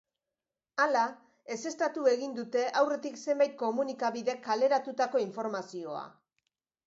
Hala, ezeztatu egin dute aurretik zenbait komunikabidek kaleratutako informazioa.